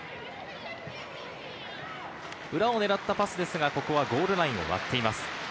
裏を狙ったパスはゴールラインを割っています。